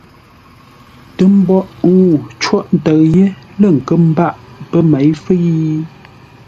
Tə mboʼ ŋuu côghʼ ntə̂ʉ yé lə̂ nkə́ mbâʼ pə́ měi fə́i?